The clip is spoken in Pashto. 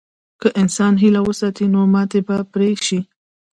که انسان هیله وساتي، نو ماتې به بری شي.